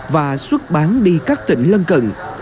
và xuất bán đi các tỉnh lân cận